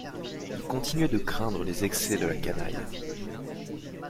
Ils continuaient de craindre les excès de la canaille.